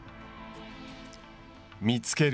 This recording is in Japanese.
見つける。